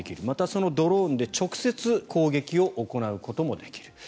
また、そのドローンで直接攻撃を行うこともできる。